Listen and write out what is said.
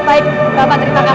baik bapak terima kasih